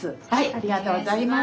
ありがとうございます。